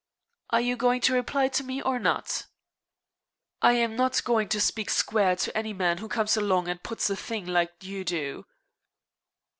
"Are you going to reply to me or not?" "I'm not going to speak square to any man who comes along and puts a thing like you do."